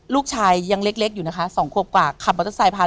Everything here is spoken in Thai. ลูกชายยังเล็กอยู่นะคะสองครบกว่า